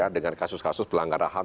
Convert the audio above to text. dengan kasus kasus pelanggaran ham